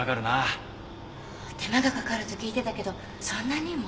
手間がかかると聞いてたけどそんなにも？